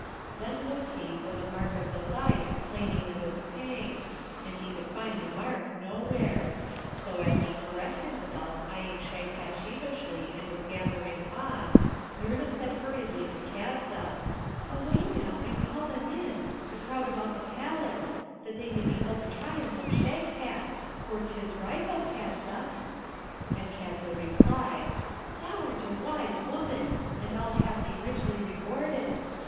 Then looked he for the mark of the bite, plaining of its pang, and he could find the mark nowhere. So, as he caressed himself, eyeing Shagpat sheepishly and with gathering awe, Noorna said hurriedly to Kadza, 'Away now, and call them in, the crowd about the palace, that they may behold the triumph of Shagpat, for 'tis ripe, O Kadza!' And Kadza replied, 'Thou'rt a wise woman, and I'll have thee richly rewarded.